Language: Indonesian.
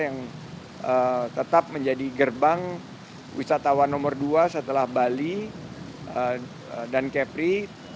yang tetap menjadi gerbang wisatawan nomor dua setelah bali dan kepri